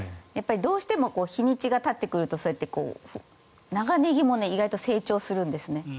どうしても日にちがたってくるとそうやって長ネギも意外と成長するんですね。